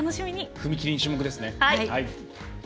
踏み切りに注目ですね。